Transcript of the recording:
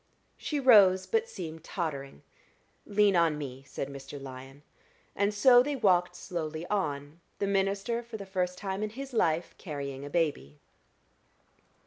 She rose, but seemed tottering. "Lean on me," said Mr. Lyon, and so they walked slowly on, the minister for the first time in his life carrying a baby.